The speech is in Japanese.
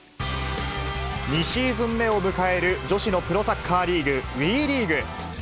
２シーズン目を迎える女子のプロサッカーリーグ、ＷＥリーグ。